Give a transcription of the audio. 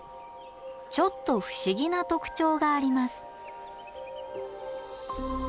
ちょっと不思議な特徴があります